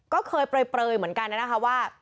ก็เคยเปลยเหมือนกันนะคะว่า